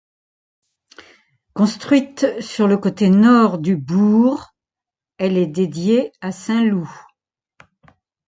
Construite sur le côté nord du bourg, elle est dédiée à Saint-Loup.